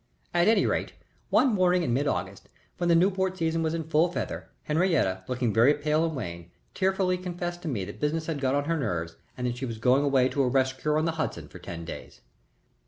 At any rate, one morning in mid August, when the Newport season was in full feather, Henriette, looking very pale and wan, tearfully confessed to me that business had got on her nerves and that she was going away to a rest cure on the Hudson for ten days.